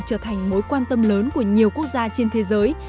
môi trường trở thành mối quan tâm lớn của nhiều quốc gia trên thế giới